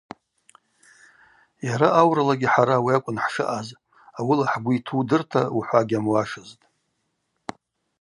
Йара ауралагьи хӏара ауи акӏвын хӏшаъаз: ауыла хӏгвы йту удырта ухӏва гьамуашызтӏ.